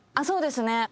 そうですね。